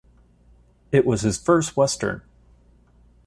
It was his first Western.